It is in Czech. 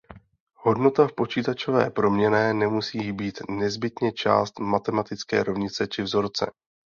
Hodnota v počítačové proměnné nemusí být nezbytně část matematické rovnice či vzorce.